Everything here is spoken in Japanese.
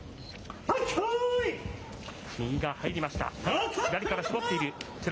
右が入りました。